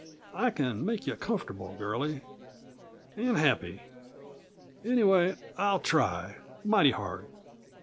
I can make you comfortable, girlie and happy. Anyway, I'll try, mighty hard.